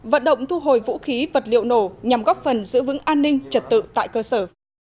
vận động thu hồi vũ khí vật liệu nổ nhằm góp phần giữ vững an ninh trật tự tại cơ sở